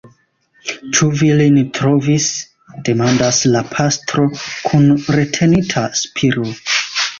Ĉu vi lin trovis?demandas la pastro kun retenita spiro.